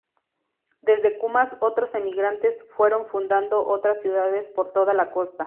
Desde Cumas otros emigrantes fueron fundando otras ciudades por toda la costa.